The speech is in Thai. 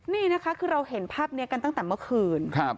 นี่นะคะคือเราเห็นภาพนี้กันตั้งแต่เมื่อคืน